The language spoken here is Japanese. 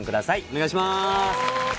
お願いします